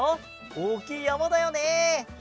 おおきいやまだよね！